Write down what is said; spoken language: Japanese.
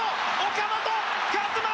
岡本和真！